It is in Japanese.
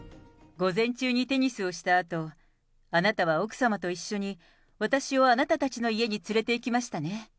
午前中にテニスをしたあと、あなたは奥様と一緒に、私をあなたたちの家に連れていきましたね。